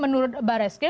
menurut barres kempolri